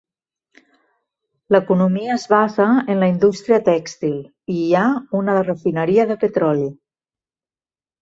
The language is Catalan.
L'economia es basa en la indústria tèxtil i hi ha una refineria de petroli.